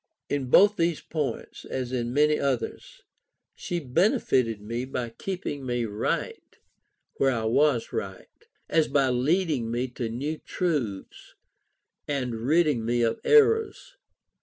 In both these points, as in many others, she benefited me as much by keeping me right where I was right, as by leading me to new truths, and ridding me of errors.